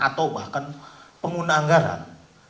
atau bahkan pengguna anggaran